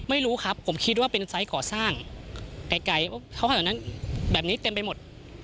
ไม่รู้ครับผมคิดว่าเป็นไซส์ก่อสร้างไกลเขาให้แบบนั้นแบบนี้เต็มไปหมด